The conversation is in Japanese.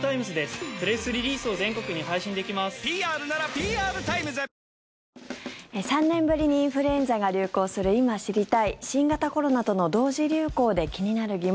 新型コロナとインフルエンザに３年ぶりにインフルエンザが流行する今知りたい新型コロナとの同時流行で気になる疑問。